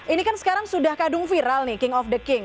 ini kan sekarang sudah kadung viral nih king of the king